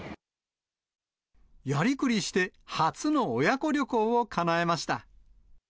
やりくりして初の親子旅行をかなえました。